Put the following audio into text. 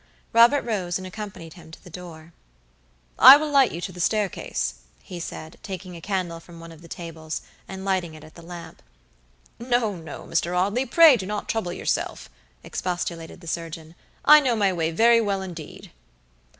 Robert rose and accompanied him to the door. "I will light you to the staircase," he said, taking a candle from one of the tables, and lighting it at the lamp. "No, no, Mr. Audley, pray do not trouble yourself," expostulated the surgeon; "I know my way very well indeed."